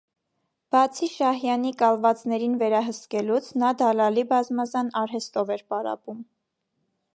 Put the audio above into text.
Բացի Շահյանի կալվածներին վերահսկելուց, նա դալալի բազմազան արհեստով էր պարապում: